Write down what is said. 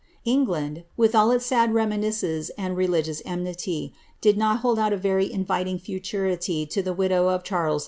England, with all its sad reminiscences and religious enmity, did not huld out a very inviting futurity to the widow of Charles I.